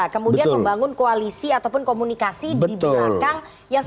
kemudian membangun koalisi ataupun komunikasi di belakang